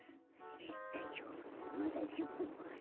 だいじょうぶまだ１０ぷんもある。